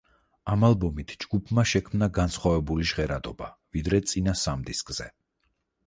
ამ ალბომით ჯგუფმა შექმნა განსხვავებული ჟღერადობა, ვიდრე წინა სამ დისკზე.